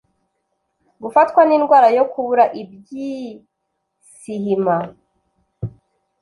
gufatwa n’indwara yo kubura ibysihima